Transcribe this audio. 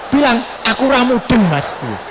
bilang aku ramudin mas